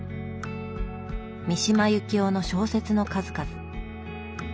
三島由紀夫の小説の数々。